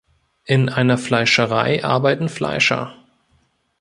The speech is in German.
In einer Fleischerei arbeiten Fleischer.